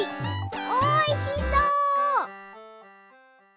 おいしそう。